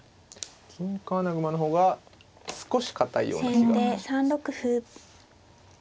銀冠穴熊の方が少し堅いような気がします。